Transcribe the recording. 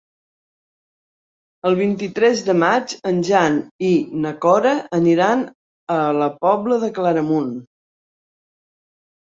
El vint-i-tres de maig en Jan i na Cora aniran a la Pobla de Claramunt.